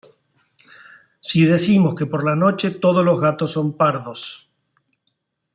si decimos que por la noche todos los gatos son pardos